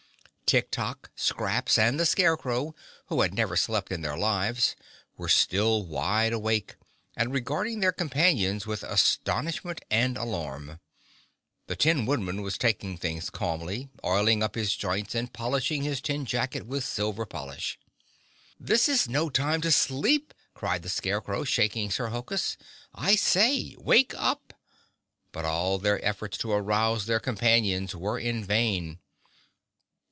Tik Tok, Scraps, and the Scarecrow, who had never slept in their lives, were still wide awake, and regarding their companions with astonishment and alarm. The Tin Woodman was taking things calmly, oiling up his joints and polishing his tin jacket with silver polish. "This is no time to sleep," cried the Scarecrow, shaking Sir Hokus. "I say—wake up!" But all their efforts to arouse their companions were in vain.